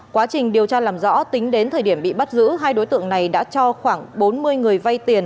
quá trình điều tra làm rõ tính đến thời điểm bị bắt giữ hai đối tượng này đã cho khoảng bốn mươi người vay tiền